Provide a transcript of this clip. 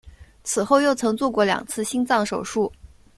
此后又曾做过两次心脏手术。